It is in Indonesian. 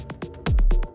aku mau ke rumah